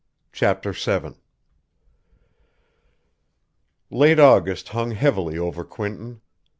CHAPTER VII Late August hung heavily over Quinton.